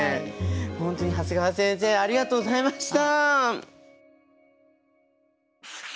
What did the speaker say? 本当に長谷川先生ありがとうございました！